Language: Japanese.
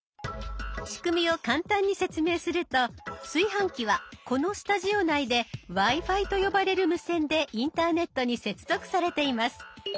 仕組みを簡単に説明すると炊飯器はこのスタジオ内でＷｉ−Ｆｉと呼ばれる無線でインターネットに接続されています。